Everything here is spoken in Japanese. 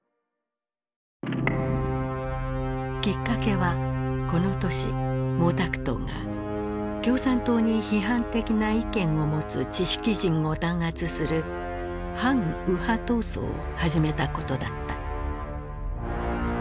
きっかけはこの年毛沢東が共産党に批判的な意見を持つ知識人を弾圧する「反右派闘争」を始めたことだった。